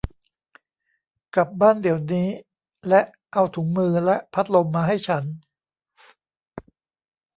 กลับบ้านเดี๋ยวนี้และเอาถุงมือและพัดลมมาให้ฉัน